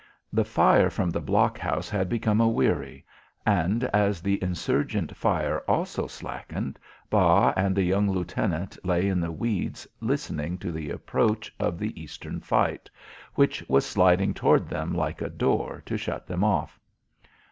The fire from the blockhouse had become a weary, and as the insurgent fire also slackened, Bas and the young lieutenant lay in the weeds listening to the approach of the eastern fight, which was sliding toward them like a door to shut them off.